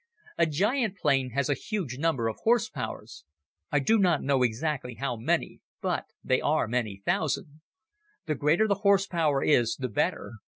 A giant plane has a huge number of horse powers. I do not know exactly how many, but they are many thousand. The greater the horse power is, the better.